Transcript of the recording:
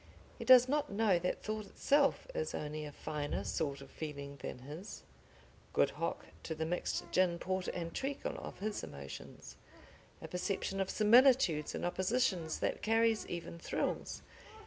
He does not know that thought itself is only a finer sort of feeling than his good hock to the mixed gin, porter and treacle of his emotions, a perception of similitudes and oppositions that carries even thrills.